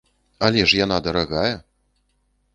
Але ж яна дарагая!